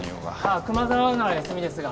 あ熊沢なら休みですが。